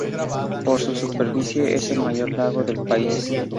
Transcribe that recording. Por su superficie, es el mayor lago del país.